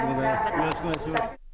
よろしくお願いします。